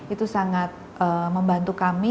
itu sangat membantu kami